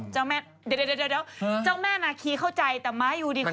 เดี๋ยวเจ้าแม่นาคีเข้าใจแต่ม้ายูนิคอน